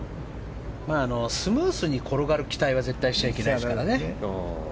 スムーズに転がる期待は絶対しちゃいけないですからね。